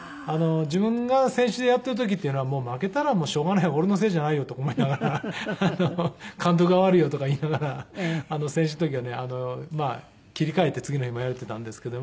自分が選手でやっている時っていうのは負けたらもうしょうがない俺のせいじゃないよって思いながら監督が悪いよとか言いながら選手の時はね切り替えて次の日もやれていたんですけど。